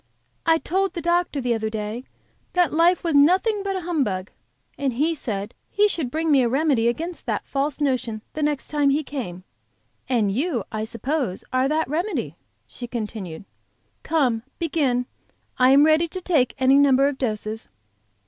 "I told the doctor the other day that life was nothing but a humbug, and he said he should bring me a remedy against that false notion the next time he came, and you, I suppose, are that remedy," she continued. "Come, begin; I am ready to take any number of doses."